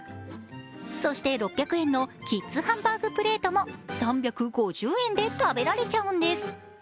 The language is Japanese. そして６００円のキッズハンバーグプレートも３５０円で食べられちゃうんです。